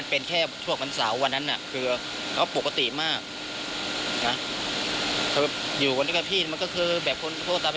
เป็นเฉพาะวันเสาร์